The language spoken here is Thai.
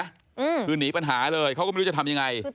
คือหนีปัญหาเลยเขาก็ไม่รู้จะทำยังไง